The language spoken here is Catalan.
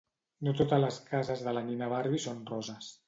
No totes les cases de la nina Barbie són roses